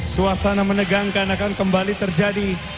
suasana menegangkan akan kembali terjadi